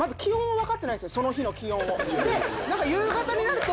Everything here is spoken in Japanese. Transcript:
その日の気温を。